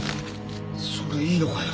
それいいのかよ。